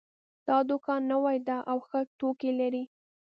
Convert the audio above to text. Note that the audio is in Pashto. دا دوکان نوی ده او ښه توکي لري